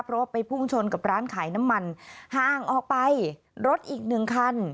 เพราะว่าไปพุ่งชนกับร้านขายน้ำมันห่างออกไปรถอีกหนึ่งคัน